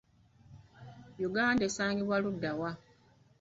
Uganda esangibwa luddawa?